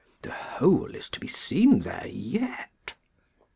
The hole is to be seen there yet.